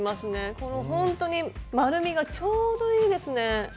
このほんとに丸みがちょうどいいですね。